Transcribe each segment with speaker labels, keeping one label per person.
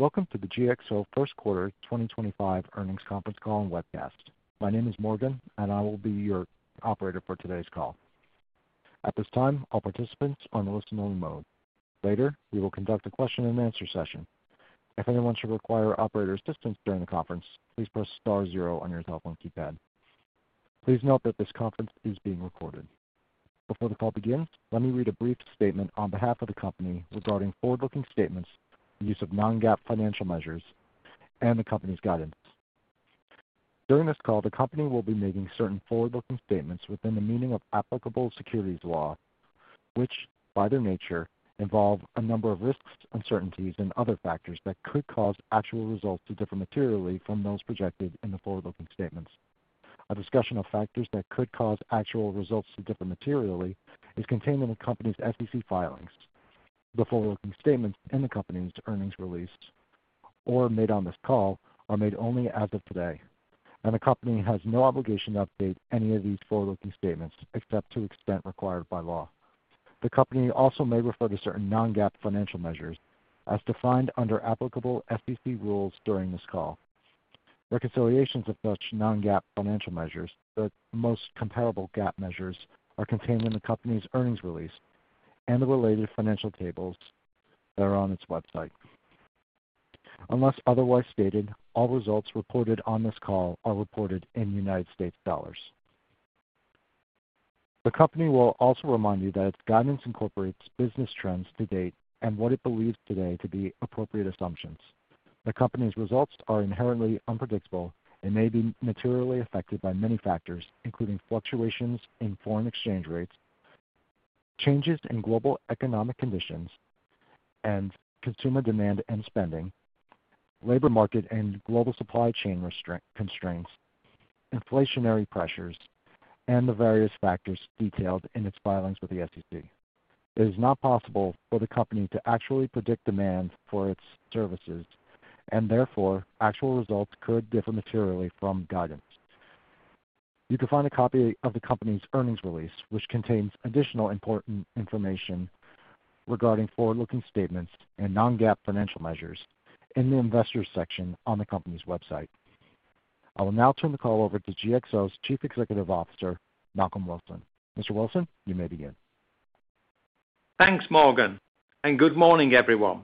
Speaker 1: Welcome to the GXO first quarter 2025 earnings conference call and webcast. My name is Morgan, and I will be your operator for today's call. At this time, all participants are in the listen-only mode. Later, we will conduct a question-and-answer session. If anyone should require operator assistance during the conference, please press star zero on your cell phone keypad. Please note that this conference is being recorded. Before the call begins, let me read a brief statement on behalf of the company regarding forward-looking statements, the use of non-GAAP financial measures, and the company's guidance. During this call, the company will be making certain forward-looking statements within the meaning of applicable securities law, which, by their nature, involve a number of risks, uncertainties, and other factors that could cause actual results to differ materially from those projected in the forward-looking statements. A discussion of factors that could cause actual results to differ materially is contained in the company's SEC filings. The forward-looking statements in the company's earnings release or made on this call are made only as of today, and the company has no obligation to update any of these forward-looking statements except to the extent required by law. The company also may refer to certain non-GAAP financial measures as defined under applicable SEC rules during this call. Reconciliations of such non-GAAP financial measures, the most comparable GAAP measures, are contained in the company's earnings release and the related financial tables that are on its website. Unless otherwise stated, all results reported on this call are reported in United States dollars. The company will also remind you that its guidance incorporates business trends to date and what it believes today to be appropriate assumptions. The company's results are inherently unpredictable and may be materially affected by many factors, including fluctuations in foreign exchange rates, changes in global economic conditions, and consumer demand and spending, labor market and global supply chain constraints, inflationary pressures, and the various factors detailed in its filings with the SEC. It is not possible for the company to actually predict demand for its services, and therefore, actual results could differ materially from guidance. You can find a copy of the company's earnings release, which contains additional important information regarding forward-looking statements and non-GAAP financial measures, in the investors' section on the company's website. I will now turn the call over to GXO's Chief Executive Officer, Malcolm Wilson. Mr. Wilson, you may begin.
Speaker 2: Thanks, Morgan, and good morning, everyone.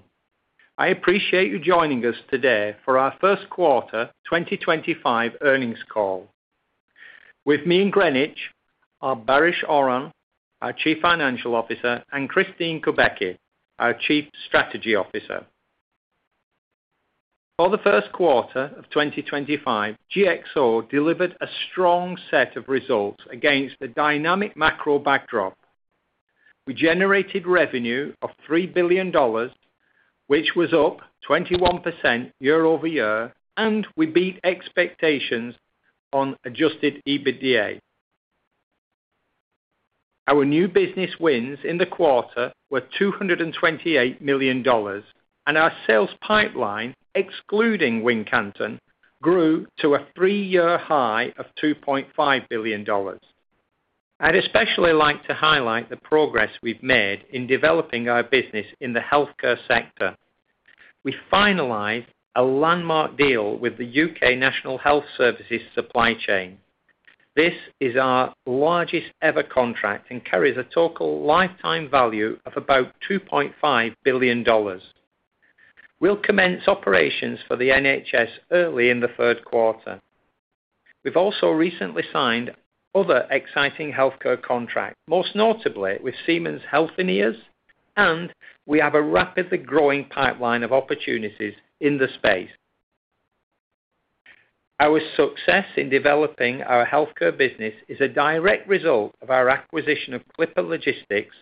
Speaker 2: I appreciate you joining us today for our first quarter 2025 earnings call. With me in Greenwich are Baris Oran, our Chief Financial Officer, and Kristine Kubacki, our Chief Strategy Officer. For the first quarter of 2025, GXO delivered a strong set of results against a dynamic macro backdrop. We generated revenue of $3 billion, which was up 21% year-over-year, and we beat expectations on adjusted EBITDA. Our new business wins in the quarter were $228 million, and our sales pipeline, excluding Wincanton, grew to a three-year high of $2.5 billion. I'd especially like to highlight the progress we've made in developing our business in the healthcare sector. We finalized a landmark deal with the U.K. National Health Service supply chain. This is our largest ever contract and carries a total lifetime value of about $2.5 billion. We'll commence operations for the NHS early in the third quarter. We've also recently signed other exciting healthcare contracts, most notably with Siemens Healthineers, and we have a rapidly growing pipeline of opportunities in the space. Our success in developing our healthcare business is a direct result of our acquisition of Clipper Logistics,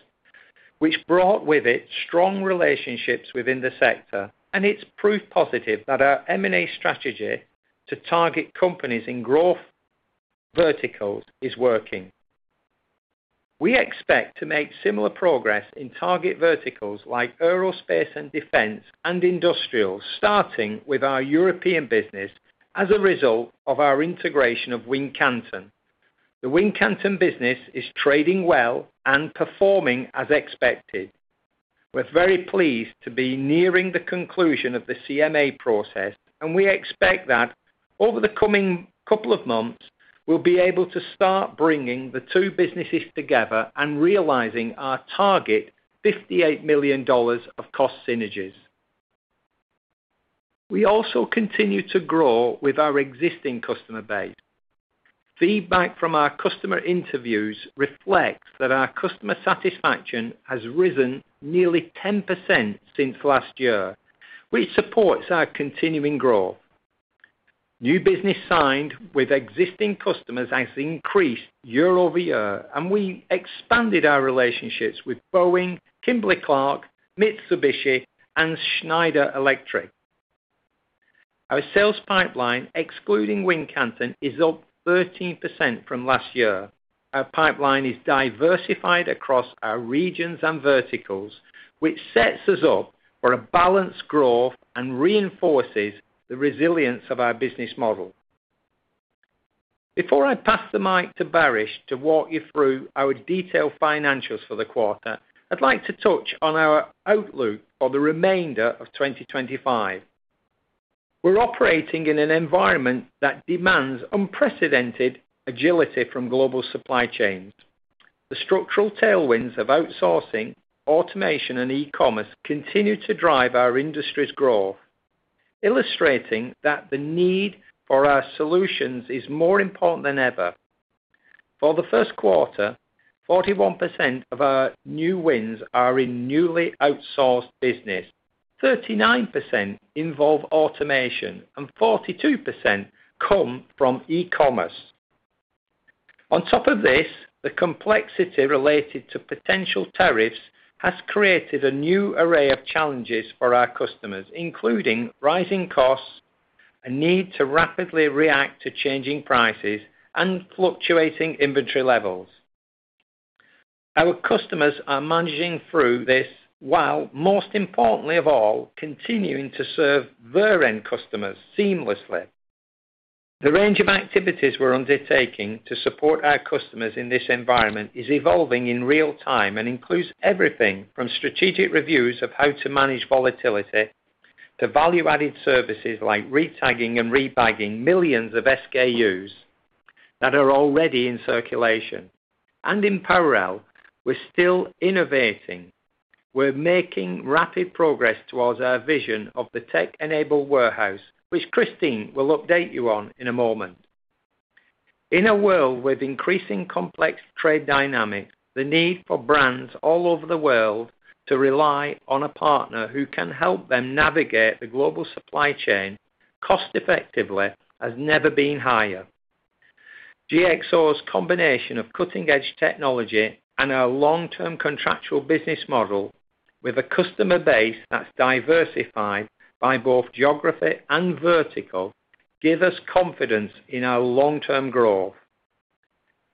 Speaker 2: which brought with it strong relationships within the sector, and it's proof positive that our M&A strategy to target companies in growth verticals is working. We expect to make similar progress in target verticals like aerospace and defense and industrials, starting with our European business as a result of our integration of Wincanton. The Wincanton business is trading well and performing as expected. We're very pleased to be nearing the conclusion of the CMA process, and we expect that over the coming couple of months, we'll be able to start bringing the two businesses together and realizing our target $58 million of cost synergies. We also continue to grow with our existing customer base. Feedback from our customer interviews reflects that our customer satisfaction has risen nearly 10% since last year, which supports our continuing growth. New business signed with existing customers has increased year-over-year, and we expanded our relationships with Boeing, Kimberly-Clark, Mitsubishi, and Schneider Electric. Our sales pipeline, excluding Wincanton, is up 13% from last year. Our pipeline is diversified across our regions and verticals, which sets us up for a balanced growth and reinforces the resilience of our business model. Before I pass the mic to Baris to walk you through our detailed financials for the quarter, I'd like to touch on our outlook for the remainder of 2025. We're operating in an environment that demands unprecedented agility from global supply chains. The structural tailwinds of outsourcing, automation, and e-commerce continue to drive our industry's growth, illustrating that the need for our solutions is more important than ever. For the first quarter, 41% of our new wins are in newly outsourced business, 39% involve automation, and 42% come from e-commerce. On top of this, the complexity related to potential tariffs has created a new array of challenges for our customers, including rising costs, a need to rapidly react to changing prices, and fluctuating inventory levels. Our customers are managing through this while, most importantly of all, continuing to serve their end customers seamlessly. The range of activities we're undertaking to support our customers in this environment is evolving in real time and includes everything from strategic reviews of how to manage volatility to value-added services like retagging and rebagging millions of SKUs that are already in circulation. In parallel, we're still innovating. We're making rapid progress towards our vision of the tech-enabled warehouse, which Kristine will update you on in a moment. In a world with increasing complex trade dynamics, the need for brands all over the world to rely on a partner who can help them navigate the global supply chain cost-effectively has never been higher. GXO's combination of cutting-edge technology and our long-term contractual business model with a customer base that's diversified by both geography and vertical gives us confidence in our long-term growth.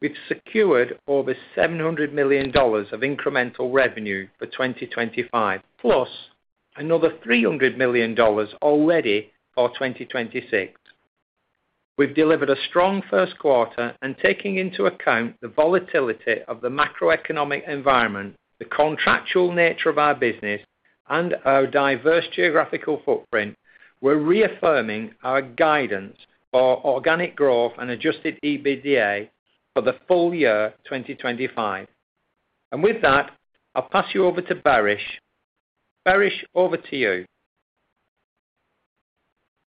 Speaker 2: We've secured over $700 million of incremental revenue for 2025, plus another $300 million already for 2026. We've delivered a strong first quarter, and taking into account the volatility of the macroeconomic environment, the contractual nature of our business, and our diverse geographical footprint, we're reaffirming our guidance for organic growth and adjusted EBITDA for the full year 2025. With that, I'll pass you over to Baris. Baris, over to you.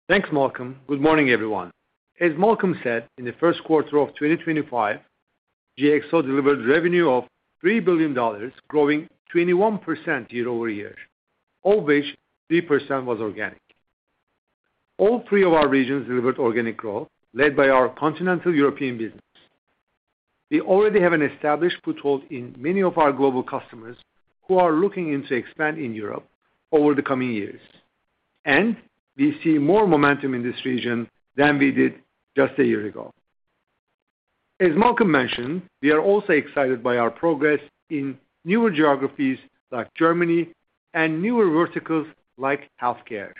Speaker 3: Thanks, Malcolm. Good morning, everyone. As Malcolm said, in the first quarter of 2025, GXO delivered revenue of $3 billion, growing 21% year-over-year, of which 3% was organic. All three of our regions delivered organic growth, led by our continental European business. We already have an established foothold in many of our global customers who are looking to expand in Europe over the coming years, and we see more momentum in this region than we did just a year ago. As Malcolm mentioned, we are also excited by our progress in newer geographies like Germany and newer verticals like healthcare.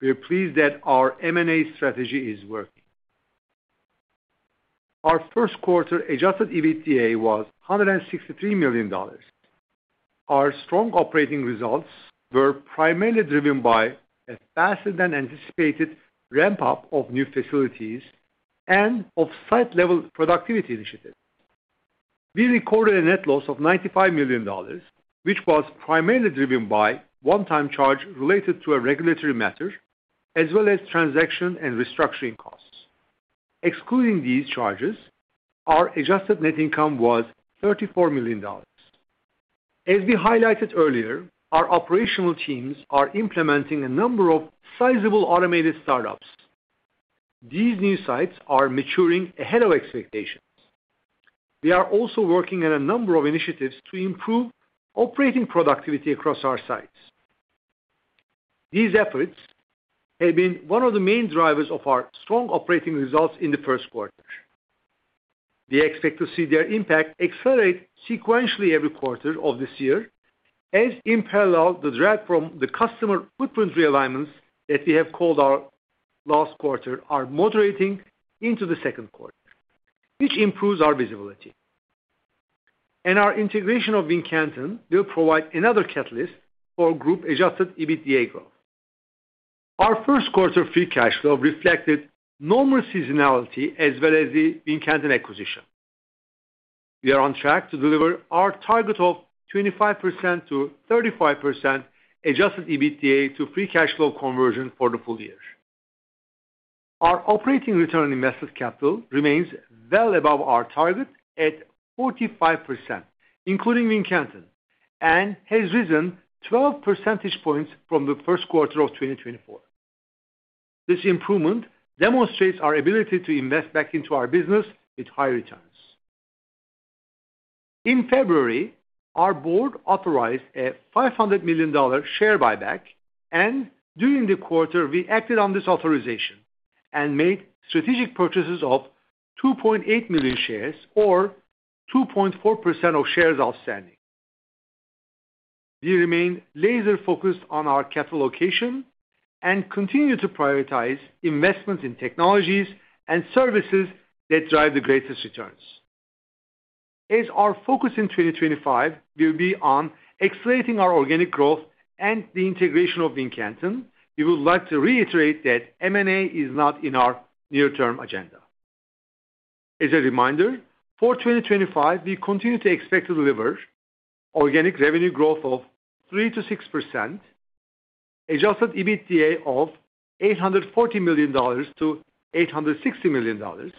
Speaker 3: We're pleased that our M&A strategy is working. Our first quarter adjusted EBITDA was $163 million. Our strong operating results were primarily driven by a faster-than-anticipated ramp-up of new facilities and off-site level productivity initiatives. We recorded a net loss of $95 million, which was primarily driven by a one-time charge related to a regulatory matter, as well as transaction and restructuring costs. Excluding these charges, our adjusted net income was $34 million. As we highlighted earlier, our operational teams are implementing a number of sizable automated startups. These new sites are maturing ahead of expectations. We are also working on a number of initiatives to improve operating productivity across our sites. These efforts have been one of the main drivers of our strong operating results in the first quarter. We expect to see their impact accelerate sequentially every quarter of this year, as in parallel, the drag from the customer footprint realignments that we have called out last quarter are moderating into the second quarter, which improves our visibility. Our integration of Wincanton will provide another catalyst for group-adjusted EBITDA growth. Our first quarter free cash flow reflected normal seasonality as well as the Wincanton acquisition. We are on track to deliver our target of 25%-35% adjusted EBITDA to free cash flow conversion for the full year. Our operating return on invested capital remains well above our target at 45%, including Wincanton, and has risen 12 percentage points from the first quarter of 2024. This improvement demonstrates our ability to invest back into our business with high returns. In February, our board authorized a $500 million share buyback, and during the quarter, we acted on this authorization and made strategic purchases of 2.8 million shares, or 2.4% of shares outstanding. We remain laser-focused on our capital allocation and continue to prioritize investments in technologies and services that drive the greatest returns. As our focus in 2025 will be on accelerating our organic growth and the integration of Wincanton, we would like to reiterate that M&A is not in our near-term agenda. As a reminder, for 2025, we continue to expect to deliver organic revenue growth of 3%-6%, adjusted EBITDA of $840 million-$860 million,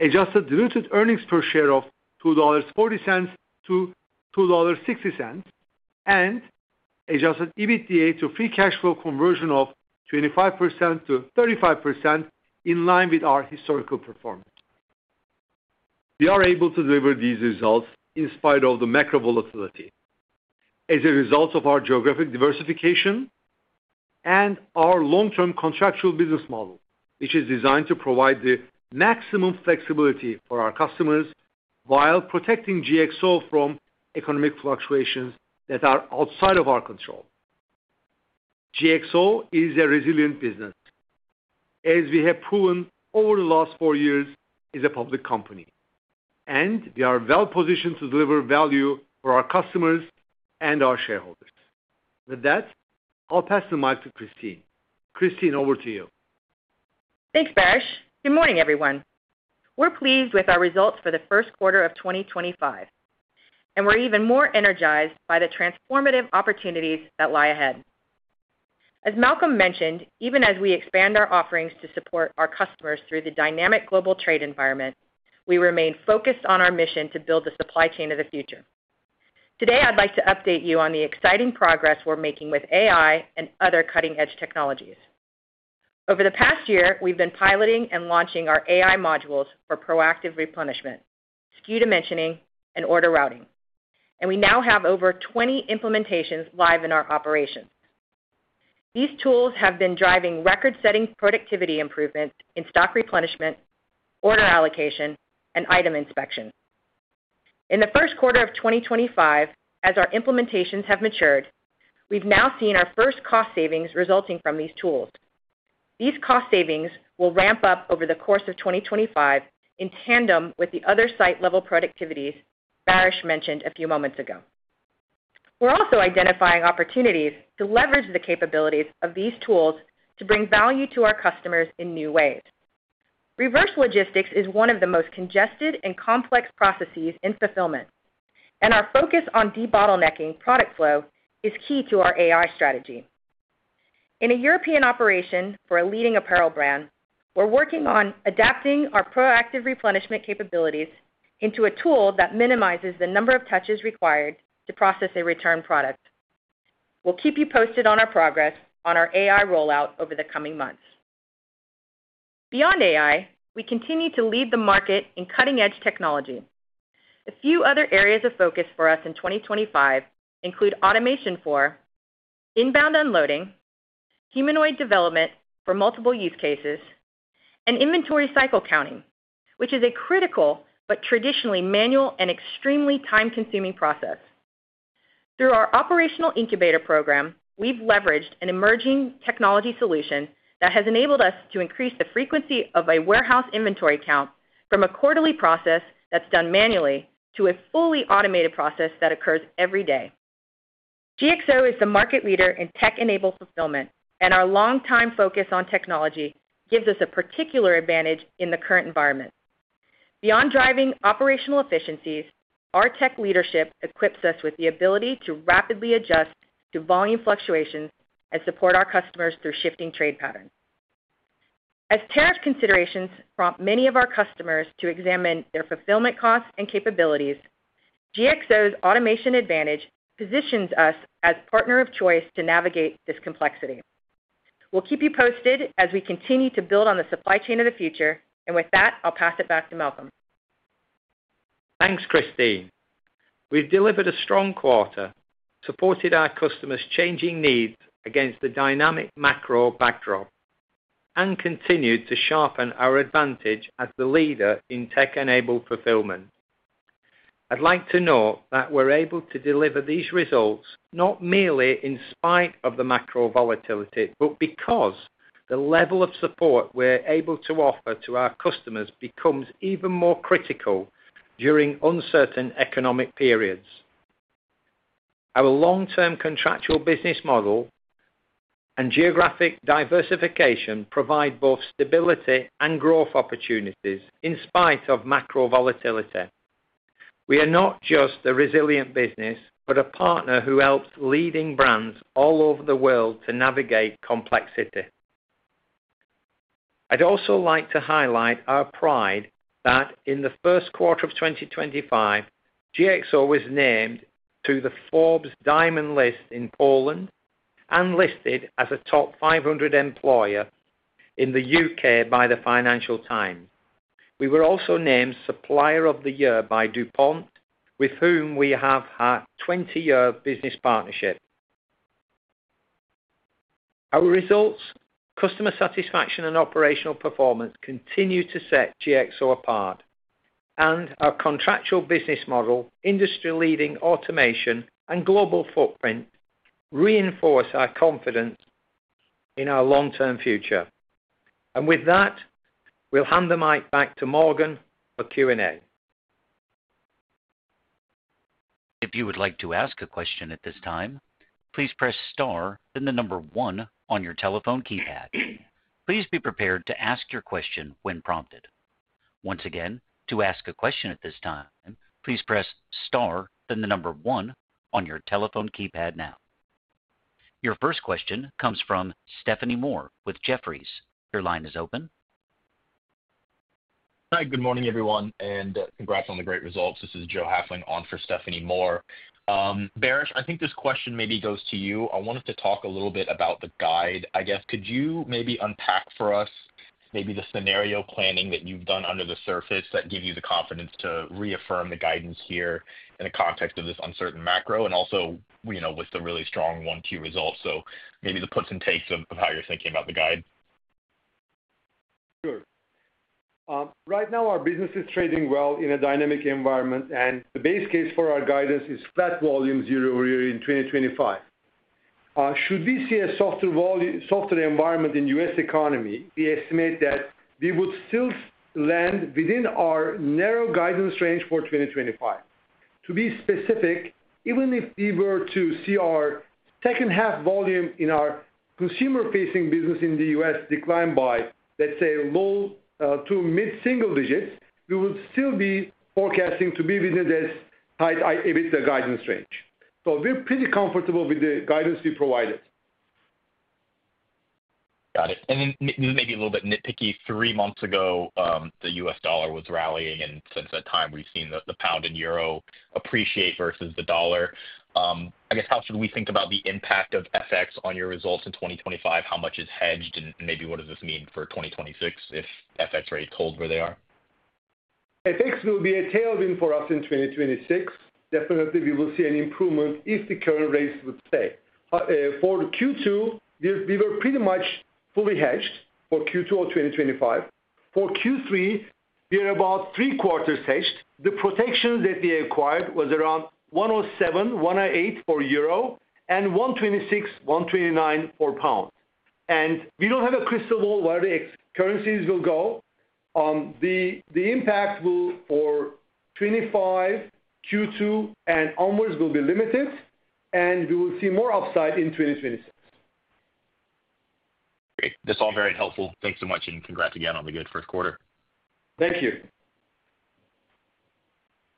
Speaker 3: adjusted diluted earnings per share of $2.40-$2.60, and adjusted EBITDA to free cash flow conversion of 25%-35% in line with our historical performance. We are able to deliver these results in spite of the macro volatility as a result of our geographic diversification and our long-term contractual business model, which is designed to provide the maximum flexibility for our customers while protecting GXO from economic fluctuations that are outside of our control. GXO is a resilient business, as we have proven over the last four years as a public company, and we are well-positioned to deliver value for our customers and our shareholders. With that, I'll pass the mic to Kristine. Kristine, over to you.
Speaker 4: Thanks, Baris. Good morning, everyone. We're pleased with our results for the first quarter of 2025, and we're even more energized by the transformative opportunities that lie ahead. As Malcolm mentioned, even as we expand our offerings to support our customers through the dynamic global trade environment, we remain focused on our mission to build the supply chain of the future. Today, I'd like to update you on the exciting progress we're making with AI and other cutting-edge technologies. Over the past year, we've been piloting and launching our AI modules for proactive replenishment, SKU dimensioning, and order routing, and we now have over 20 implementations live in our operations. These tools have been driving record-setting productivity improvements in stock replenishment, order allocation, and item inspection. In the first quarter of 2025, as our implementations have matured, we've now seen our first cost savings resulting from these tools. These cost savings will ramp up over the course of 2025 in tandem with the other site-level productivities Baris mentioned a few moments ago. We're also identifying opportunities to leverage the capabilities of these tools to bring value to our customers in new ways. Reverse logistics is one of the most congested and complex processes in fulfillment, and our focus on debottlenecking product flow is key to our AI strategy. In a European operation for a leading apparel brand, we're working on adapting our proactive replenishment capabilities into a tool that minimizes the number of touches required to process a returned product. We'll keep you posted on our progress on our AI rollout over the coming months. Beyond AI, we continue to lead the market in cutting-edge technology. A few other areas of focus for us in 2025 include automation for inbound unloading, humanoid development for multiple use cases, and inventory cycle counting, which is a critical but traditionally manual and extremely time-consuming process. Through our operational incubator program, we've leveraged an emerging technology solution that has enabled us to increase the frequency of a warehouse inventory count from a quarterly process that's done manually to a fully automated process that occurs every day. GXO is the market leader in tech-enabled fulfillment, and our long-time focus on technology gives us a particular advantage in the current environment. Beyond driving operational efficiencies, our tech leadership equips us with the ability to rapidly adjust to volume fluctuations and support our customers through shifting trade patterns. As tariff considerations prompt many of our customers to examine their fulfillment costs and capabilities, GXO's automation advantage positions us as a partner of choice to navigate this complexity. We'll keep you posted as we continue to build on the supply chain of the future, and with that, I'll pass it back to Malcolm.
Speaker 2: Thanks, Kristine. We've delivered a strong quarter, supported our customers' changing needs against the dynamic macro backdrop, and continued to sharpen our advantage as the leader in tech-enabled fulfillment. I'd like to note that we're able to deliver these results not merely in spite of the macro volatility, but because the level of support we're able to offer to our customers becomes even more critical during uncertain economic periods. Our long-term contractual business model and geographic diversification provide both stability and growth opportunities in spite of macro volatility. We are not just a resilient business, but a partner who helps leading brands all over the world to navigate complexity. I'd also like to highlight our pride that in the first quarter of 2025, GXO was named to the Forbes Diamond list in Poland and listed as a top 500 employer in the U.K. by the Financial Times. We were also named Supplier of the Year by DuPont, with whom we have had a 20-year business partnership. Our results, customer satisfaction, and operational performance continue to set GXO apart, and our contractual business model, industry-leading automation, and global footprint reinforce our confidence in our long-term future. We'll hand the mic back to Morgan for Q&A.
Speaker 1: If you would like to ask a question at this time, please press star, then the number one on your telephone keypad. Please be prepared to ask your question when prompted. Once again, to ask a question at this time, please press star, then the number one on your telephone keypad now. Your first question comes from Stephanie Moore with Jefferies. Your line is open.
Speaker 5: Hi, good morning, everyone, and congrats on the great results. This is Joe Hafling on for Stephanie Moore. Baris, I think this question maybe goes to you. I wanted to talk a little bit about the guide. I guess, could you maybe unpack for us maybe the scenario planning that you've done under the surface that gave you the confidence to reaffirm the guidance here in the context of this uncertain macro and also with the really strong Q1 results? Maybe the puts and takes of how you're thinking about the guide.
Speaker 3: Sure. Right now, our business is trading well in a dynamic environment, and the base case for our guidance is flat volume year-over-year in 2025. Should we see a softer environment in the U.S. economy, we estimate that we would still land within our narrow guidance range for 2025. To be specific, even if we were to see our second-half volume in our consumer-facing business in the U.S. decline by, let's say, low to mid-single digits, we would still be forecasting to be within this tight EBITDA guidance range. We are pretty comfortable with the guidance we provided.
Speaker 5: Got it. Maybe a little bit nitpicky, three months ago, the U.S. dollar was rallying, and since that time, we've seen the pound and euro appreciate versus the dollar. I guess, how should we think about the impact of FX on your results in 2025? How much is hedged, and maybe what does this mean for 2026 if FX rates hold where they are?
Speaker 3: FX will be a tailwind for us in 2026. Definitely, we will see an improvement if the current rates would stay. For Q2, we were pretty much fully hedged for Q2 of 2025. For Q3, we are about three quarters hedged. The protection that we acquired was around 1.07-1.08 for euro, and 1.26-1.29 for pound. We do not have a crystal ball where the currencies will go. The impact for 2025 Q2 and onwards will be limited, and we will see more upside in 2026.
Speaker 5: Great. That's all very helpful. Thanks so much, and congrats again on the good first quarter.
Speaker 3: Thank you.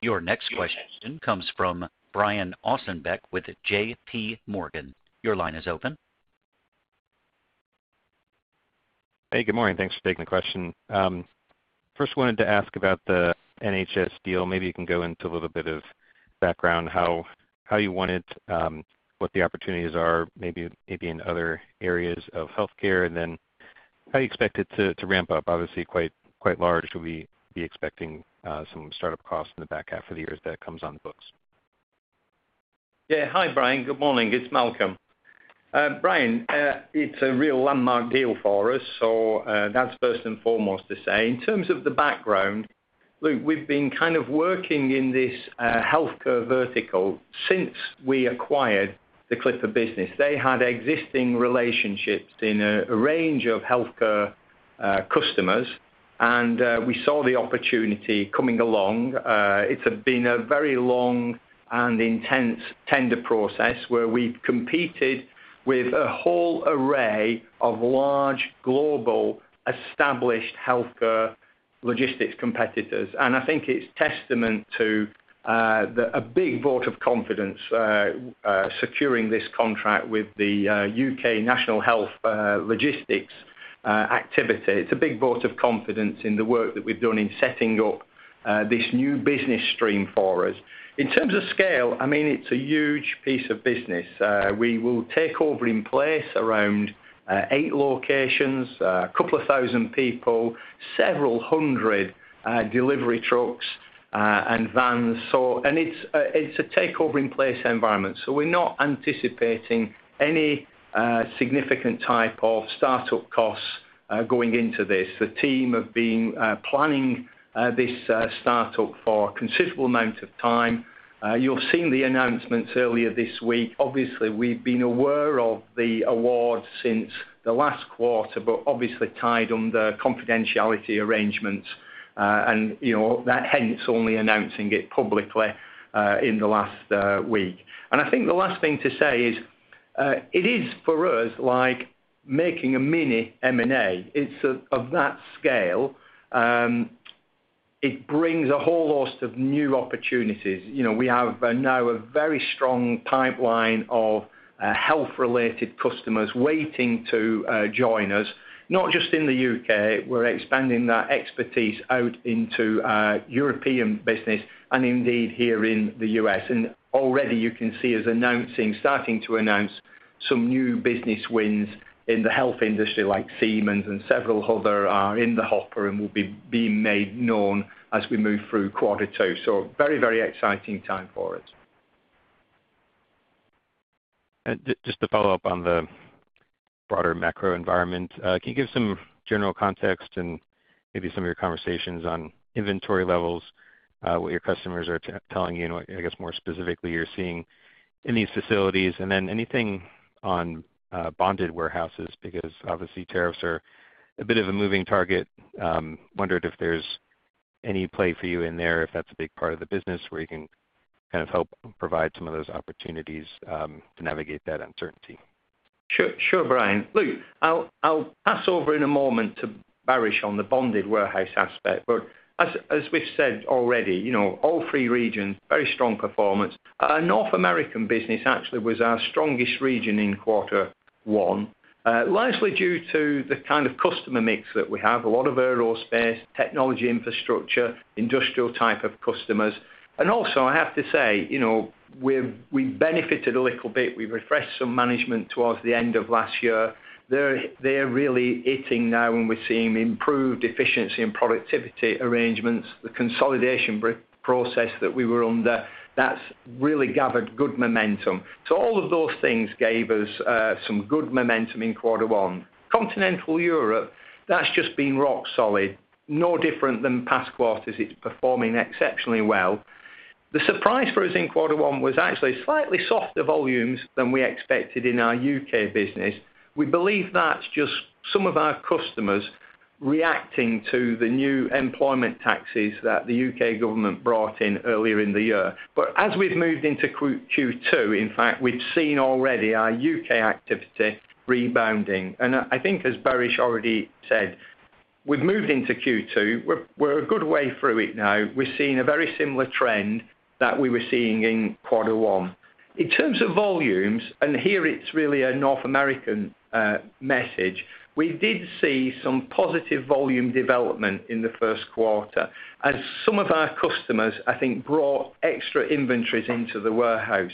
Speaker 1: Your next question comes from Brian Ossenbeck with JPMorgan. Your line is open.
Speaker 6: Hey, good morning. Thanks for taking the question. First, wanted to ask about the NHS deal. Maybe you can go into a little bit of background, how you won it, what the opportunities are, maybe in other areas of healthcare, and then how you expect it to ramp up. Obviously, quite large, we'll be expecting some startup costs in the back half of the year that comes on the books.
Speaker 2: Yeah. Hi, Brian. Good morning. It's Malcolm. Brian, it's a real landmark deal for us, so that's first and foremost to say. In terms of the background, look, we've been kind of working in this healthcare vertical since we acquired the Clipper business. They had existing relationships in a range of healthcare customers, and we saw the opportunity coming along. It's been a very long and intense tender process where we've competed with a whole array of large, global, established healthcare logistics competitors. I think it's testament to a big vote of confidence securing this contract with the U.K. National Health logistics activity. It's a big vote of confidence in the work that we've done in setting up this new business stream for us. In terms of scale, I mean, it's a huge piece of business. We will take over in place around eight locations, a couple of thousand people, several hundred delivery trucks and vans. It is a takeover-in-place environment, so we're not anticipating any significant type of startup costs going into this. The team have been planning this startup for a considerable amount of time. You have seen the announcements earlier this week. Obviously, we have been aware of the award since the last quarter, but obviously tied under confidentiality arrangements, and that hence only announcing it publicly in the last week. I think the last thing to say is it is, for us, like making a mini M&A. It is of that scale. It brings a whole host of new opportunities. We have now a very strong pipeline of health-related customers waiting to join us, not just in the U.K. We are expanding that expertise out into European business and indeed here in the U.S. Already, you can see us starting to announce some new business wins in the health industry, like Siemens and several others are in the hopper and will be being made known as we move through quarter two. Very, very exciting time for us.
Speaker 6: Just to follow up on the broader macro environment, can you give some general context and maybe some of your conversations on inventory levels, what your customers are telling you, and I guess more specifically, you're seeing in these facilities? Anything on bonded warehouses because obviously tariffs are a bit of a moving target. Wondered if there's any play for you in there, if that's a big part of the business where you can kind of help provide some of those opportunities to navigate that uncertainty.
Speaker 2: Sure, sure, Brian. Look, I'll pass over in a moment to Baris on the bonded warehouse aspect, but as we've said already, all three regions, very strong performance. North American business actually was our strongest region in quarter one, largely due to the kind of customer mix that we have, a lot of aerospace, technology infrastructure, industrial type of customers. Also, I have to say, we benefited a little bit. We refreshed some management towards the end of last year. They're really hitting now, and we're seeing improved efficiency and productivity arrangements. The consolidation process that we were under, that's really gathered good momentum. All of those things gave us some good momentum in quarter one. Continental Europe, that's just been rock solid, no different than past quarters. It's performing exceptionally well. The surprise for us in quarter one was actually slightly softer volumes than we expected in our U.K. business. We believe that's just some of our customers reacting to the new employment taxes that the U.K. government brought in earlier in the year. As we've moved into Q2, in fact, we've seen already our U.K. activity rebounding. I think, as Baris already said, we've moved into Q2. We're a good way through it now. We're seeing a very similar trend that we were seeing in quarter one. In terms of volumes, and here it's really a North American message, we did see some positive volume development in the first quarter as some of our customers, I think, brought extra inventories into the warehouse.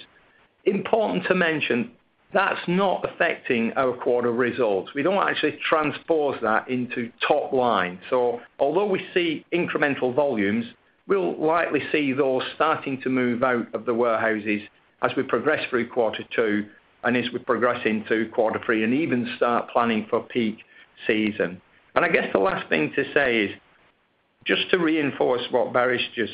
Speaker 2: Important to mention, that's not affecting our quarter results. We don't actually transpose that into top line. Although we see incremental volumes, we'll likely see those starting to move out of the warehouses as we progress through quarter two and as we progress into quarter three and even start planning for peak season. I guess the last thing to say is just to reinforce what Baris just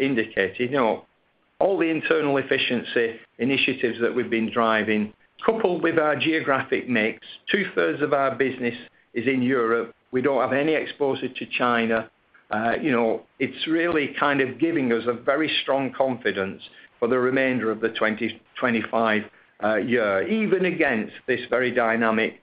Speaker 2: indicated, all the internal efficiency initiatives that we've been driving, coupled with our geographic mix, two-thirds of our business is in Europe. We don't have any exposure to China. It's really kind of giving us a very strong confidence for the remainder of the 2025 year, even against this very dynamic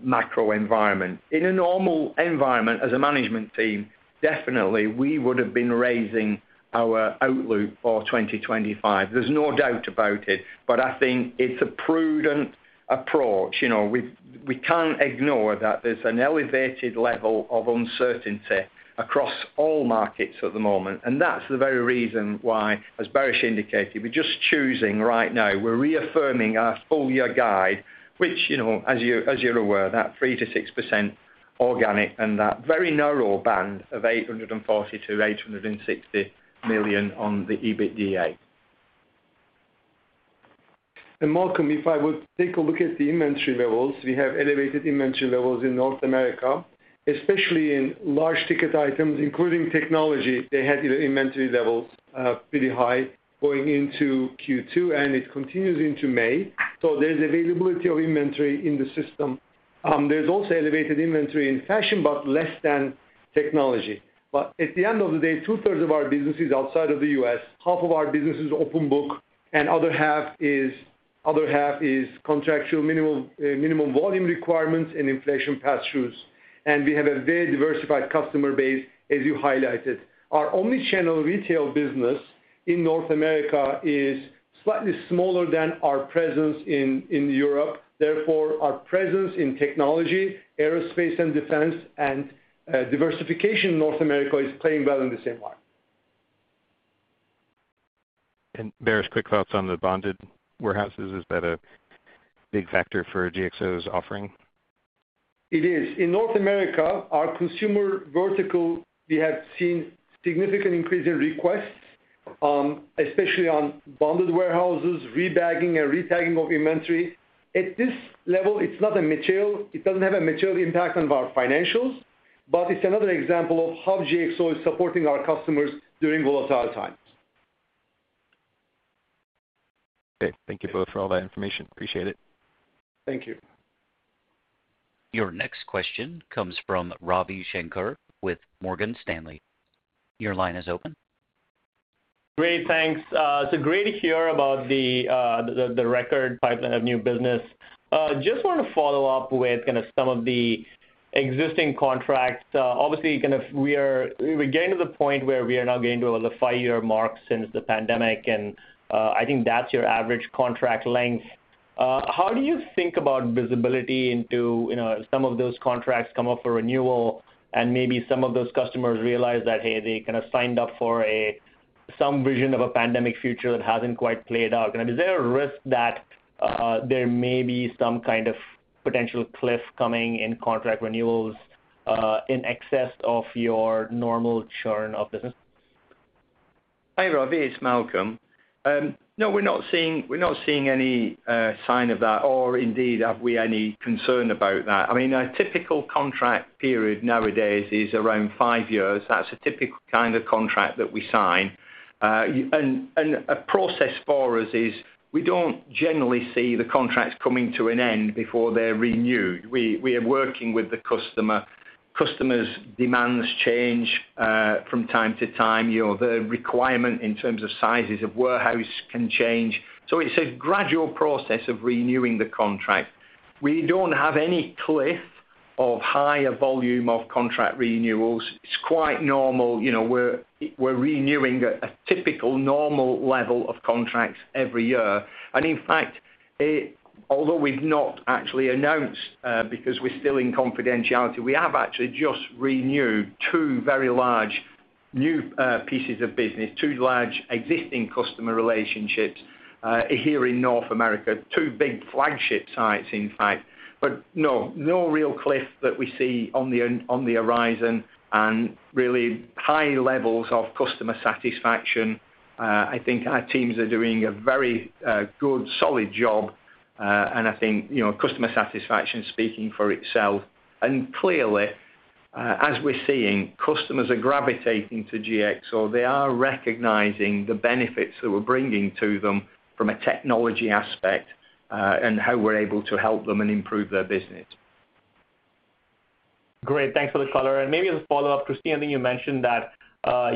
Speaker 2: macro environment. In a normal environment, as a management team, definitely we would have been raising our outlook for 2025. There's no doubt about it, but I think it's a prudent approach. We can't ignore that there's an elevated level of uncertainty across all markets at the moment. That is the very reason why, as Baris indicated, we're just choosing right now. We're reaffirming our full-year guide, which, as you're aware, is that 3%-6% organic and that very narrow band of $840 million-$860 million on the EBITDA.
Speaker 3: Malcolm, if I would take a look at the inventory levels, we have elevated inventory levels in North America, especially in large ticket items, including technology. They had inventory levels pretty high going into Q2, and it continues into May. There is availability of inventory in the system. There is also elevated inventory in fashion, but less than technology. At the end of the day, two-thirds of our business is outside of the U.S. Half of our business is open book, and the other half is contractual minimum volume requirements and inflation pass-throughs. We have a very diversified customer base, as you highlighted. Our omnichannel retail business in North America is slightly smaller than our presence in Europe. Therefore, our presence in technology, aerospace, and defense and diversification in North America is playing well in the same market.
Speaker 6: Baris, quick thoughts on the bonded warehouses. Is that a big factor for GXO's offering?
Speaker 3: It is. In North America, our consumer vertical, we have seen significant increase in requests, especially on bonded warehouses, rebagging and retagging of inventory. At this level, it is not material; it does not have a material impact on our financials, but it is another example of how GXO is supporting our customers during volatile times.
Speaker 6: Okay. Thank you both for all that information. Appreciate it.
Speaker 3: Thank you.
Speaker 1: Your next question comes from Ravi Shanker with Morgan Stanley. Your line is open.
Speaker 7: Great. Thanks. It's great to hear about the record pipeline of new business. Just want to follow up with kind of some of the existing contracts. Obviously, we're getting to the point where we are now getting to the five-year mark since the pandemic, and I think that's your average contract length. How do you think about visibility into some of those contracts come up for renewal and maybe some of those customers realize that, hey, they kind of signed up for some vision of a pandemic future that hasn't quite played out? Is there a risk that there may be some kind of potential cliff coming in contract renewals in excess of your normal churn of business?
Speaker 2: Hi, Ravi. It's Malcolm. No, we're not seeing any sign of that, or indeed, have we any concern about that? I mean, a typical contract period nowadays is around five years. That's a typical kind of contract that we sign. A process for us is we don't generally see the contracts coming to an end before they're renewed. We are working with the customer. Customers' demands change from time to time. The requirement in terms of sizes of warehouse can change. It's a gradual process of renewing the contract. We don't have any cliff of higher volume of contract renewals. It's quite normal. We're renewing a typical normal level of contracts every year. In fact, although we've not actually announced because we're still in confidentiality, we have actually just renewed two very large new pieces of business, two large existing customer relationships here in North America, two big flagship sites, in fact. No real cliff that we see on the horizon and really high levels of customer satisfaction. I think our teams are doing a very good, solid job, and I think customer satisfaction is speaking for itself. Clearly, as we're seeing, customers are gravitating to GXO. They are recognizing the benefits that we're bringing to them from a technology aspect and how we're able to help them and improve their business.
Speaker 7: Great. Thanks for the call. Maybe as a follow-up, Kristine, I think you mentioned that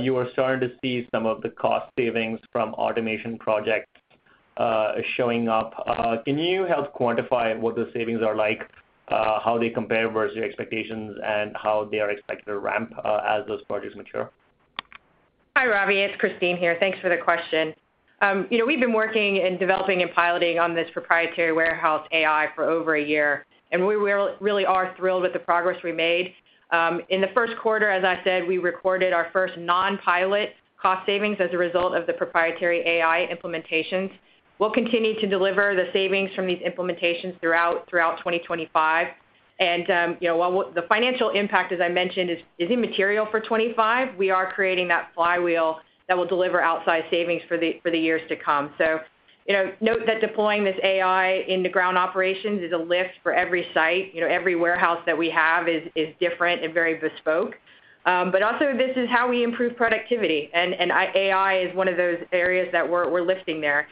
Speaker 7: you are starting to see some of the cost savings from automation projects showing up. Can you help quantify what the savings are like, how they compare versus your expectations, and how they are expected to ramp as those projects mature?
Speaker 4: Hi, Ravi. It's Kristine here. Thanks for the question. We've been working and developing and piloting on this proprietary warehouse AI for over a year, and we really are thrilled with the progress we made. In the first quarter, as I said, we recorded our first non-pilot cost savings as a result of the proprietary AI implementations. We'll continue to deliver the savings from these implementations throughout 2025. While the financial impact, as I mentioned, is immaterial for 2025, we are creating that flywheel that will deliver outsized savings for the years to come. Note that deploying this AI in the ground operations is a lift for every site. Every warehouse that we have is different and very bespoke. Also, this is how we improve productivity, and AI is one of those areas that we're lifting there.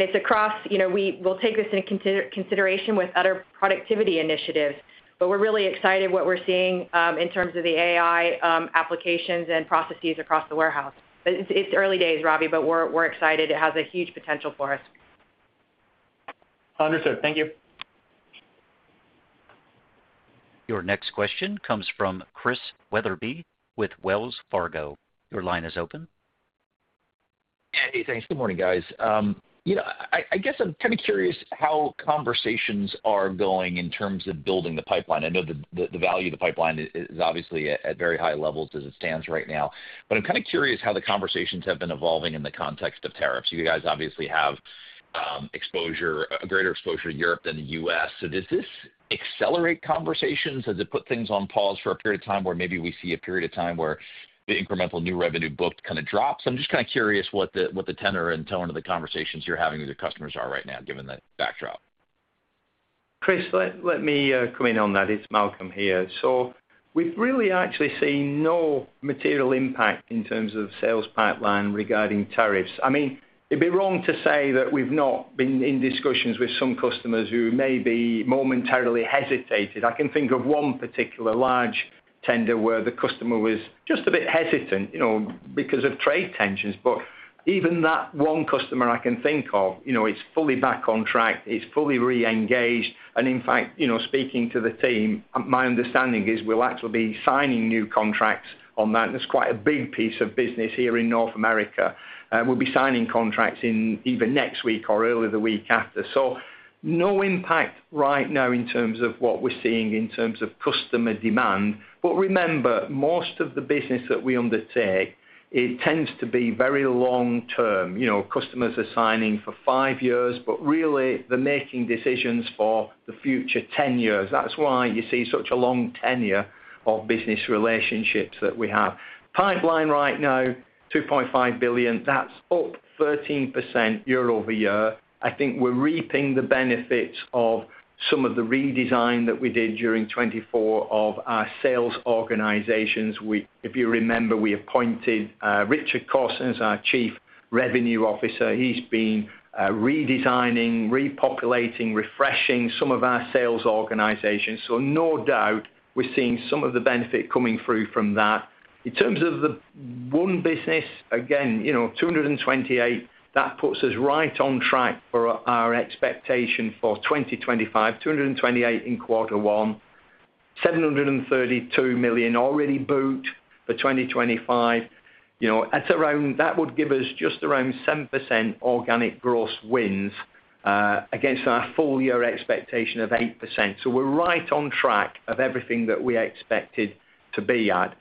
Speaker 4: We'll take this into consideration with other productivity initiatives, but we're really excited what we're seeing in terms of the AI applications and processes across the warehouse. It's early days, Ravi, but we're excited. It has a huge potential for us.
Speaker 7: Understood. Thank you.
Speaker 1: Your next question comes from Chris Wetherbee with Wells Fargo. Your line is open.
Speaker 8: Hey, thanks. Good morning, guys. I guess I'm kind of curious how conversations are going in terms of building the pipeline. I know the value of the pipeline is obviously at very high levels as it stands right now, but I'm kind of curious how the conversations have been evolving in the context of tariffs. You guys obviously have a greater exposure to Europe than the U.S. Does this accelerate conversations? Does it put things on pause for a period of time where maybe we see a period of time where the incremental new revenue book kind of drops? I'm just kind of curious what the tenor and tone of the conversations you're having with your customers are right now, given the backdrop.
Speaker 2: Chris, let me come in on that. It's Malcolm here. We've really actually seen no material impact in terms of sales pipeline regarding tariffs. I mean, it'd be wrong to say that we've not been in discussions with some customers who may be momentarily hesitated. I can think of one particular large tender where the customer was just a bit hesitant because of trade tensions. Even that one customer I can think of, it's fully back on track. It's fully re-engaged. In fact, speaking to the team, my understanding is we'll actually be signing new contracts on that. It's quite a big piece of business here in North America. We'll be signing contracts in either next week or early the week after. No impact right now in terms of what we're seeing in terms of customer demand. Remember, most of the business that we undertake, it tends to be very long-term. Customers are signing for five years, but really, they're making decisions for the future 10 years. That's why you see such a long tenure of business relationships that we have. Pipeline right now, $2.5 billion. That's up 13% year over year. I think we're reaping the benefits of some of the redesign that we did during 2024 of our sales organizations. If you remember, we appointed Richard Cawston, our Chief Revenue Officer. He's been redesigning, repopulating, refreshing some of our sales organizations. No doubt, we're seeing some of the benefit coming through from that. In terms of the one business, again, 228, that puts us right on track for our expectation for 2025. 228 in quarter one, $732 million already booked for 2025. That would give us just around 7% organic gross wins against our full-year expectation of 8%. We are right on track of everything that we expected to be at.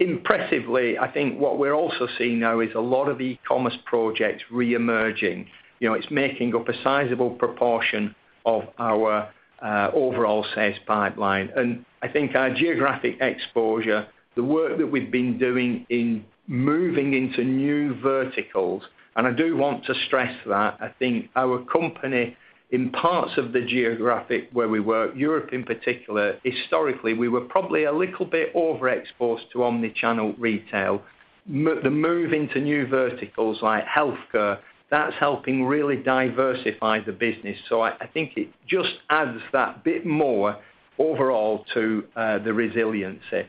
Speaker 2: Impressively, I think what we are also seeing now is a lot of e-commerce projects re-emerging. It is making up a sizable proportion of our overall sales pipeline. I think our geographic exposure, the work that we have been doing in moving into new verticals, and I do want to stress that. I think our company in parts of the geographic where we work, Europe in particular, historically, we were probably a little bit overexposed to omnichannel retail. The move into new verticals like healthcare, that is helping really diversify the business. I think it just adds that bit more overall to the resiliency.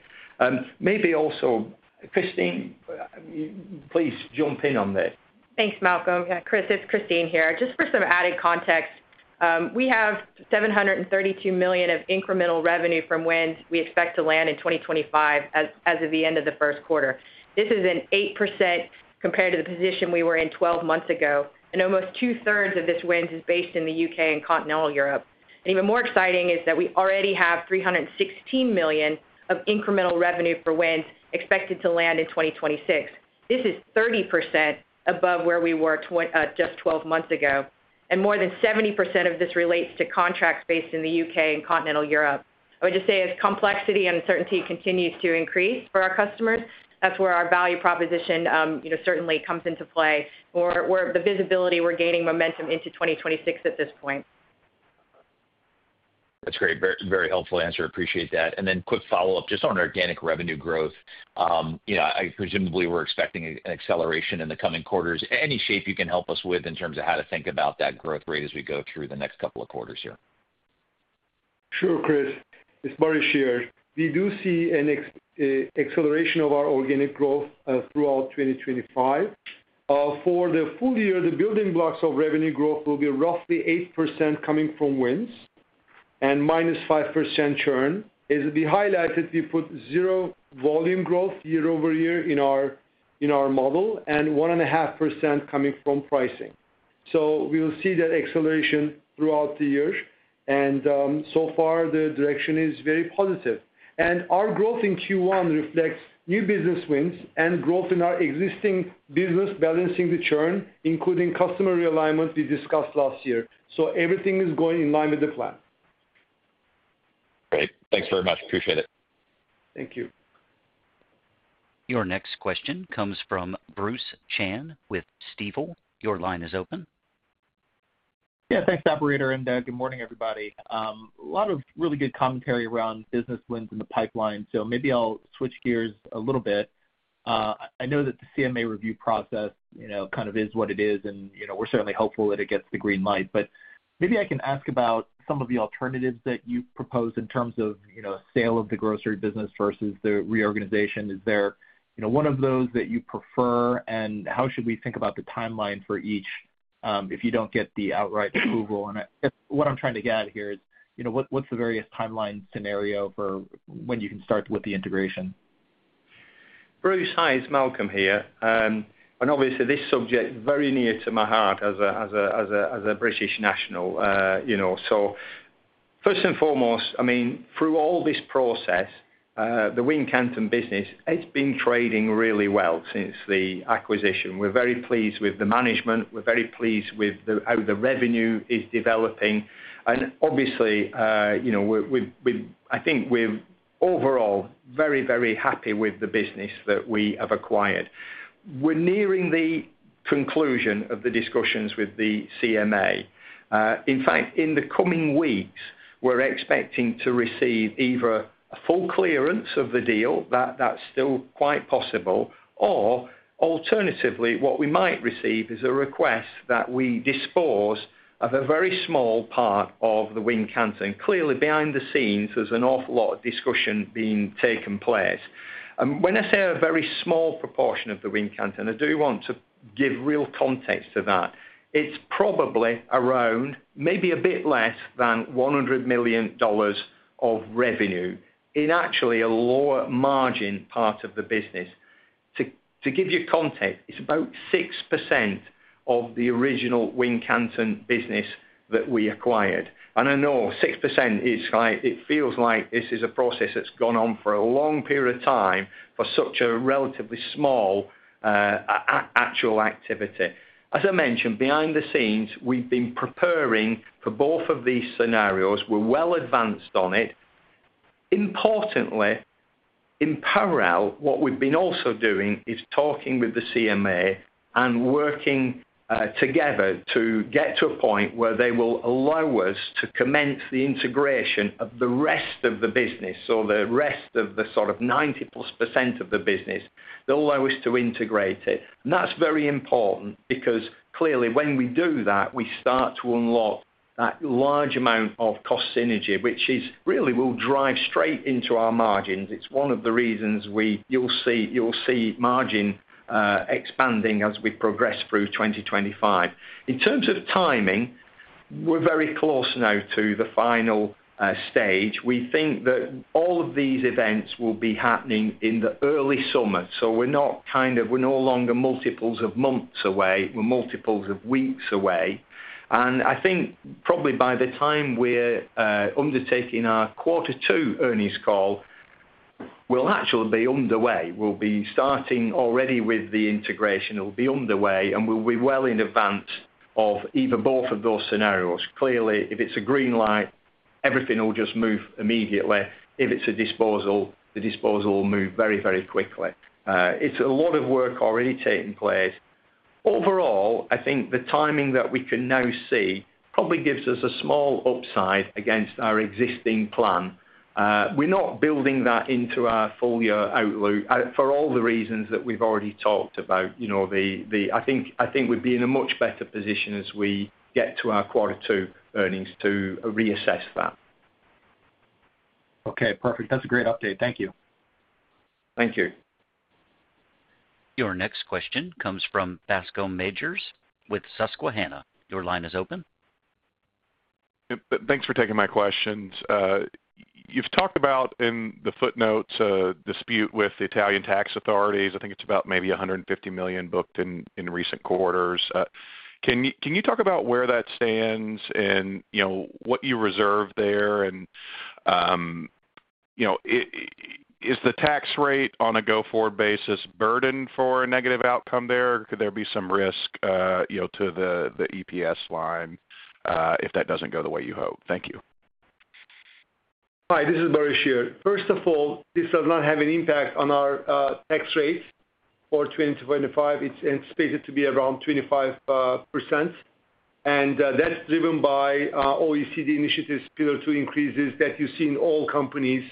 Speaker 2: Maybe also, Kristine, please jump in on this.
Speaker 4: Thanks, Malcolm. Yeah, Chris, it's Kristine here. Just for some added context, we have $732 million of incremental revenue from wins we expect to land in 2025 as of the end of the first quarter. This is 8% compared to the position we were in 12 months ago. Almost two-thirds of these wins is based in the U.K. and continental Europe. Even more exciting is that we already have $316 million of incremental revenue for wins expected to land in 2026. This is 30% above where we were just 12 months ago. More than 70% of this relates to contracts based in the U.K. and continental Europe. I would just say, as complexity and uncertainty continues to increase for our customers, that's where our value proposition certainly comes into play, or the visibility we're gaining momentum into 2026 at this point.
Speaker 8: That's great. Very helpful answer. Appreciate that. Quick follow-up, just on organic revenue growth. Presumably, we're expecting an acceleration in the coming quarters. Any shape you can help us with in terms of how to think about that growth rate as we go through the next couple of quarters here?
Speaker 3: Sure, Chris. It's Barry Shear. We do see an acceleration of our organic growth throughout 2025. For the full year, the building blocks of revenue growth will be roughly 8% coming from wins and -5% churn. As we highlighted, we put zero volume growth year over year in our model and 1.5% coming from pricing. We will see that acceleration throughout the years. So far, the direction is very positive. Our growth in Q1 reflects new business wins and growth in our existing business, balancing the churn, including customer realignment we discussed last year. Everything is going in line with the plan.
Speaker 8: Great. Thanks very much. Appreciate it.
Speaker 3: Thank you.
Speaker 1: Your next question comes from Bruce Chan with Stifel. Your line is open.
Speaker 9: Yeah. Thanks, Operator. Good morning, everybody. A lot of really good commentary around business wins in the pipeline. Maybe I'll switch gears a little bit. I know that the CMA review process kind of is what it is, and we're certainly hopeful that it gets the green light. Maybe I can ask about some of the alternatives that you propose in terms of sale of the grocery business versus the reorganization. Is there one of those that you prefer, and how should we think about the timeline for each if you don't get the outright approval? What I'm trying to get at here is, what's the various timeline scenario for when you can start with the integration?
Speaker 2: Bruce, hi. It's Malcolm here. Obviously, this subject is very near to my heart as a British national. First and foremost, I mean, through all this process, the Wincanton business, it's been trading really well since the acquisition. We're very pleased with the management. We're very pleased with how the revenue is developing. Obviously, I think we're overall very, very happy with the business that we have acquired. We're nearing the conclusion of the discussions with the CMA. In fact, in the coming weeks, we're expecting to receive either a full clearance of the deal. That's still quite possible. Alternatively, what we might receive is a request that we dispose of a very small part of the Wincanton. Clearly, behind the scenes, there's an awful lot of discussion being taken place. When I say a very small proportion of the Wincanton, I do want to give real context to that. It's probably around maybe a bit less than $100 million of revenue in actually a lower margin part of the business. To give you context, it's about 6% of the original Wincanton business that we acquired. I know 6% is like it feels like this is a process that's gone on for a long period of time for such a relatively small actual activity. As I mentioned, behind the scenes, we've been preparing for both of these scenarios. We're well advanced on it. Importantly, in parallel, what we've been also doing is talking with the CMA and working together to get to a point where they will allow us to commence the integration of the rest of the business, so the rest of the sort of 90%+ of the business. They'll allow us to integrate it. That is very important because clearly, when we do that, we start to unlock that large amount of cost synergy, which really will drive straight into our margins. It's one of the reasons you'll see margin expanding as we progress through 2025. In terms of timing, we're very close now to the final stage. We think that all of these events will be happening in the early summer. We're not kind of, we're no longer multiples of months away. We're multiples of weeks away. I think probably by the time we're undertaking our quarter two earnings call, we'll actually be underway. We'll be starting already with the integration. It'll be underway, and we'll be well in advance of either both of those scenarios. Clearly, if it's a green light, everything will just move immediately. If it's a disposal, the disposal will move very, very quickly. It's a lot of work already taking place. Overall, I think the timing that we can now see probably gives us a small upside against our existing plan. We're not building that into our full-year outlook for all the reasons that we've already talked about. I think we'd be in a much better position as we get to our quarter two earnings to reassess that.
Speaker 9: Okay. Perfect. That's a great update. Thank you.
Speaker 2: Thank you.
Speaker 1: Your next question comes from Bascome Majors with Susquehanna. Your line is open.
Speaker 10: Thanks for taking my questions. You've talked about in the footnotes a dispute with the Italian tax authorities. I think it's about maybe $150 million booked in recent quarters. Can you talk about where that stands and what you reserve there? Is the tax rate on a go-forward basis burden for a negative outcome there? Could there be some risk to the EPS line if that doesn't go the way you hope? Thank you.
Speaker 3: Hi. This is Barry Shear. First of all, this does not have an impact on our tax rate for 2025. It's anticipated to be around 25%. It's driven by OECD initiatives, pillar two increases that you see in all companies,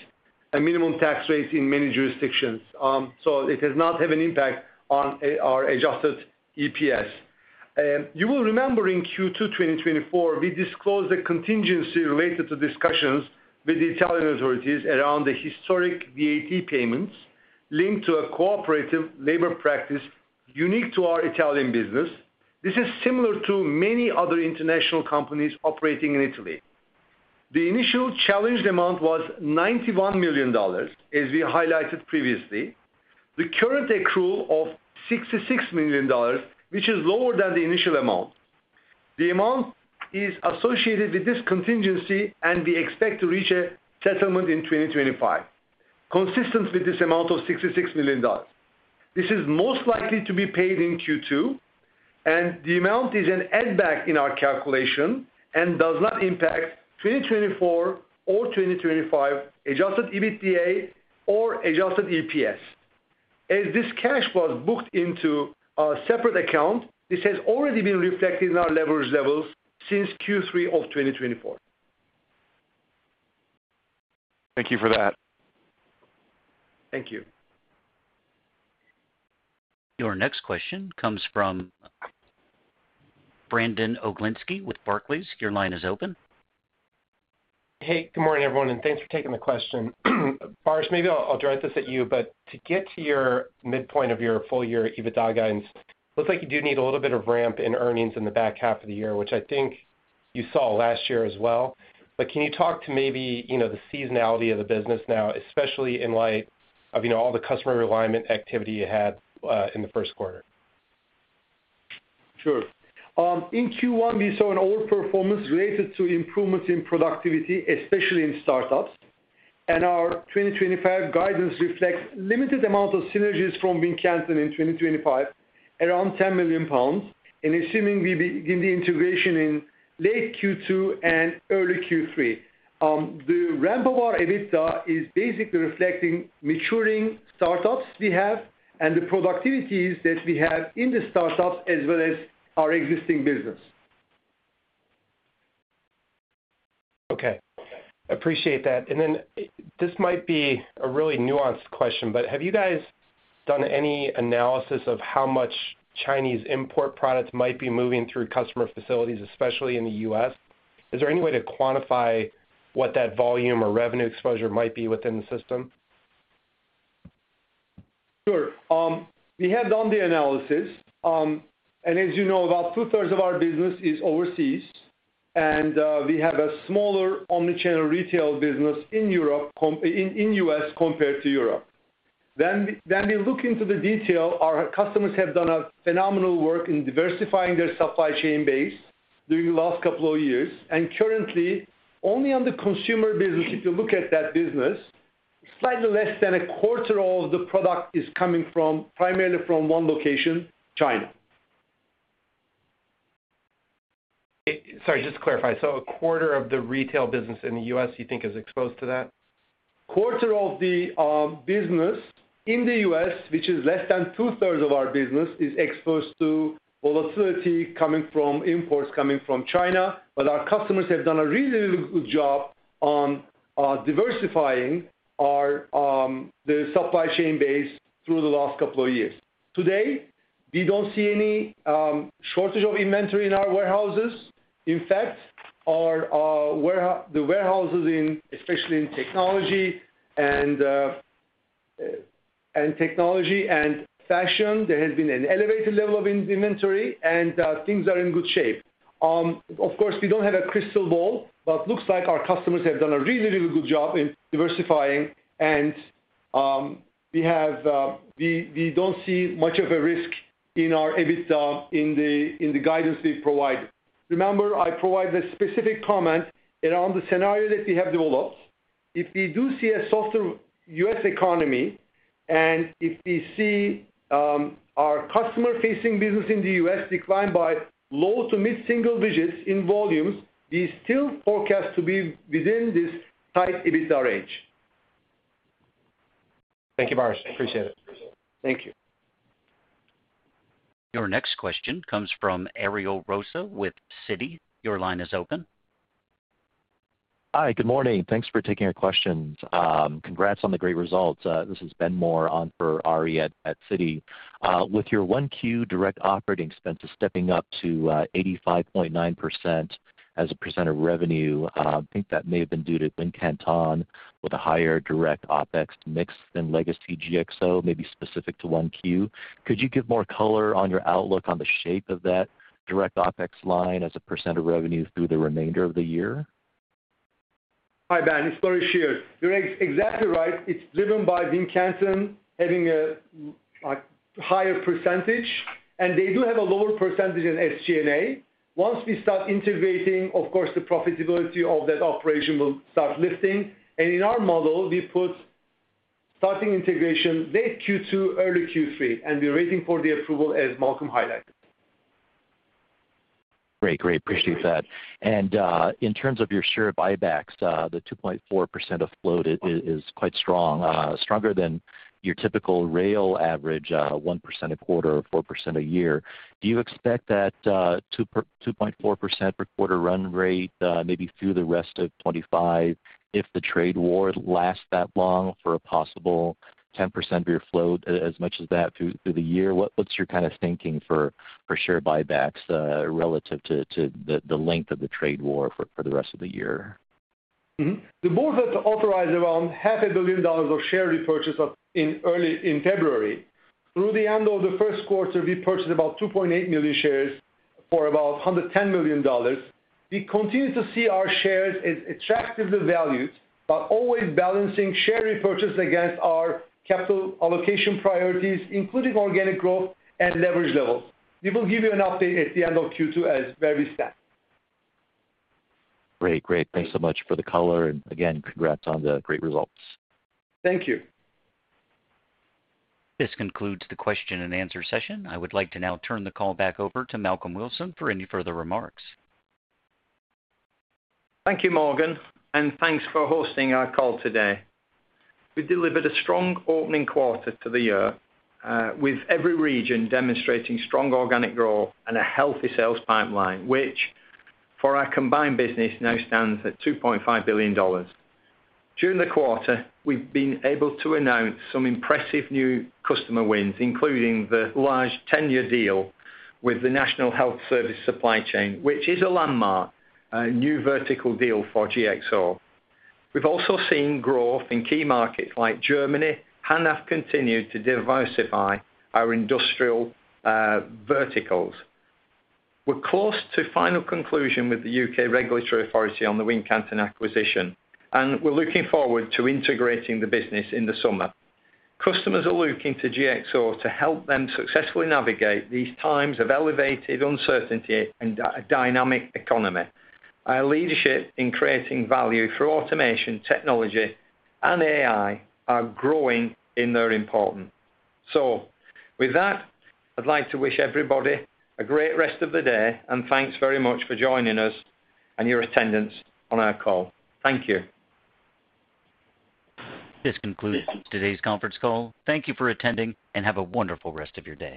Speaker 3: a minimum tax rate in many jurisdictions. It does not have an impact on our adjusted EPS. You will remember in Q2 2024, we disclosed a contingency related to discussions with the Italian authorities around the historic VAT payments linked to a cooperative labor practice unique to our Italian business. This is similar to many other international companies operating in Italy. The initial challenge amount was $91 million, as we highlighted previously. The current accrual of $66 million, which is lower than the initial amount. The amount is associated with this contingency, and we expect to reach a settlement in 2025, consistent with this amount of $66 million. This is most likely to be paid in Q2. The amount is an add-back in our calculation and does not impact 2024 or 2025 adjusted EBITDA or adjusted EPS. As this cash was booked into a separate account, this has already been reflected in our leverage levels since Q3 of 2024.
Speaker 10: Thank you for that.
Speaker 3: Thank you.
Speaker 1: Your next question comes from Brandon Oglenski with Barclays. Your line is open.
Speaker 11: Hey, good morning, everyone. Thanks for taking the question. Baris, maybe I'll direct this at you, but to get to your midpoint of your full-year EBITDA guidance, it looks like you do need a little bit of ramp in earnings in the back half of the year, which I think you saw last year as well. Can you talk to maybe the seasonality of the business now, especially in light of all the customer alignment activity you had in the first quarter?
Speaker 3: Sure. In Q1, we saw an overperformance related to improvements in productivity, especially in startups. Our 2025 guidance reflects limited amount of synergies from Wincanton in 2025, around 10 million pounds, and assuming we begin the integration in late Q2 and early Q3. The ramp of our EBITDA is basically reflecting maturing startups we have and the productivities that we have in the startups as well as our existing business.
Speaker 11: Okay. Appreciate that. This might be a really nuanced question, but have you guys done any analysis of how much Chinese import products might be moving through customer facilities, especially in the U.S.? Is there any way to quantify what that volume or revenue exposure might be within the system?
Speaker 3: Sure. We have done the analysis. As you know, about two-thirds of our business is overseas. We have a smaller omnichannel retail business in the U.S. compared to Europe. We look into the detail. Our customers have done phenomenal work in diversifying their supply chain base during the last couple of years. Currently, only on the consumer business, if you look at that business, slightly less than a quarter of the product is coming primarily from one location, China.
Speaker 11: Sorry, just to clarify. So a quarter of the retail business in the U.S., you think, is exposed to that?
Speaker 3: Quarter of the business in the U.S., which is less than two-thirds of our business, is exposed to volatility coming from imports coming from China. Our customers have done a really good job on diversifying the supply chain base through the last couple of years. Today, we do not see any shortage of inventory in our warehouses. In fact, the warehouses, especially in technology and fashion, there has been an elevated level of inventory, and things are in good shape. Of course, we do not have a crystal ball, but it looks like our customers have done a really, really good job in diversifying. We do not see much of a risk in our EBITDA in the guidance we provide. Remember, I provide the specific comment around the scenario that we have developed. If we do see a softer U.S. economy and if we see our customer-facing business in the U.S. decline by low to mid-single digits in volumes, we still forecast to be within this tight EBITDA range.
Speaker 11: Thank you, Baris. Appreciate it.
Speaker 3: Thank you.
Speaker 1: Your next question comes from Ariel Rosa with Citi. Your line is open.
Speaker 12: Hi. Good morning. Thanks for taking our questions. Congrats on the great results. This is Ben Moore on for Ari at Citi. With your Q1 direct operating expenses stepping up to 85.9% as a percent of revenue, I think that may have been due to Wincanton with a higher direct OpEx mix than legacy GXO, maybe specific to 1Q. Could you give more color on your outlook on the shape of that direct OpEx line as a percent of revenue through the remainder of the year?
Speaker 3: Hi, Baris. Baris Oran. You're exactly right. It's driven by Wincanton having a higher percentage. And they do have a lower percentage in SG&A. Once we start integrating, of course, the profitability of that operation will start lifting. In our model, we put starting integration late Q2, early Q3. We're waiting for the approval, as Malcolm highlighted.
Speaker 12: Great. Great. Appreciate that. In terms of your share of IBACs, the 2.4% afloat is quite strong, stronger than your typical rail average, 1% a quarter or 4% a year. Do you expect that 2.4% per quarter run rate maybe through the rest of 2025, if the trade war lasts that long, for a possible 10% of your float as much as that through the year? What is your kind of thinking for share buybacks relative to the length of the trade war for the rest of the year?
Speaker 3: The board had authorized around $500,000,000 of share repurchase in February. Through the end of the first quarter, we purchased about 2.8 million shares for about $110,000,000. We continue to see our shares as attractively valued, but always balancing share repurchase against our capital allocation priorities, including organic growth and leverage levels. We will give you an update at the end of Q2 as where we stand.
Speaker 12: Great. Thanks so much for the color. Again, congrats on the great results.
Speaker 3: Thank you.
Speaker 1: This concludes the question-and-answer session. I would like to now turn the call back over to Malcolm Wilson for any further remarks.
Speaker 2: Thank you, Morgan. Thank you for hosting our call today. We delivered a strong opening quarter to the year, with every region demonstrating strong organic growth and a healthy sales pipeline, which for our combined business now stands at $2.5 billion. During the quarter, we've been able to announce some impressive new customer wins, including the large 10-year deal with the National Health Service supply chain, which is a landmark new vertical deal for GXO. We've also seen growth in key markets like Germany and have continued to diversify our industrial verticals. We're close to final conclusion with the U.K. regulatory authority on the Wincanton acquisition. We're looking forward to integrating the business in the summer. Customers are looking to GXO to help them successfully navigate these times of elevated uncertainty and a dynamic economy. Our leadership in creating value through automation, technology, and AI are growing in their importance. With that, I'd like to wish everybody a great rest of the day. Thank you very much for joining us and your attendance on our call. Thank you.
Speaker 1: This concludes today's conference call. Thank you for attending, and have a wonderful rest of your day.